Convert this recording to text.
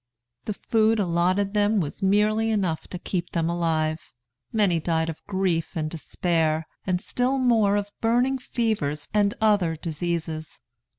The food allotted them was merely enough to keep them alive. Many died of grief and despair, and still more of burning fevers and other diseases.